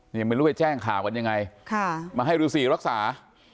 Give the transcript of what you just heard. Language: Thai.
ไม่รู้ไปแจ้งข่าวกันยังไงค่ะมาให้ฤษีรักษา